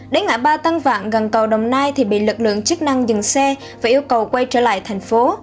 đến ngã ba tân vạn gần cầu đồng nai thì bị lực lượng chức năng dừng xe và yêu cầu quay trở lại thành phố